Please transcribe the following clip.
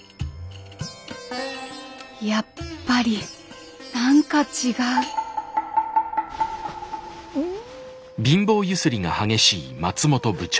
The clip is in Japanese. やっぱり何か違うん。